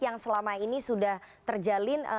yang selama ini sudah terjalin